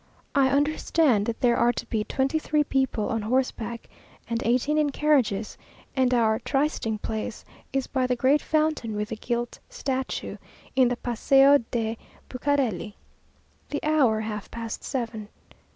I understand that there are to be twenty three people on horseback, and eighteen in carriages, and our trysting place is by the great fountain with the gilt statue, in the Paseo de Bucarelli; the hour, half past seven.